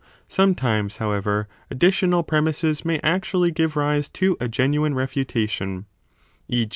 Sometimes, however, additional premisses may actually give rise to a genuine refutation ; e.